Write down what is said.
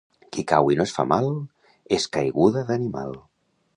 Qui cau i no es fa mal, és caiguda d'animal.